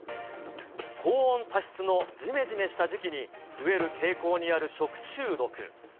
高温多湿のじめじめした時期に増える傾向にある食中毒。